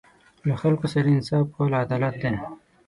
له خلکو سره انصاف کول عدالت دی.